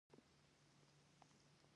زاهده ! ته زما د مینې مخه ولې نیسې ؟